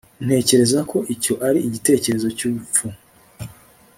ntekereza ko icyo ari igitekerezo cyubupfu